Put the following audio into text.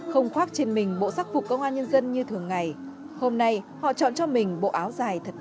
không khoác trên mình bộ sắc phục công an nhân dân như thường ngày hôm nay họ chọn cho mình bộ áo dài thật